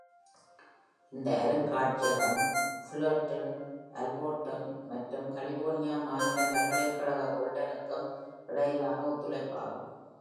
இந்த அருங்காட்சியகம் Fullerton Arboretum மற்றும் கலிபோர்னியா மாநில பல்கலைக்கழக புல்லர்டனுக்கும் இடையிலான ஒத்துழைப்பாகும்.